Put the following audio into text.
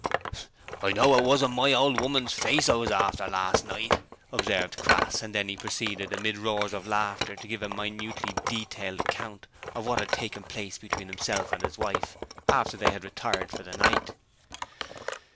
'I know it wasn't my old woman's face that I was after last night,' observed Crass; and then he proceeded amid roars of laughter to give a minutely detailed account of what had taken place between himself and his wife after they had retired for the night.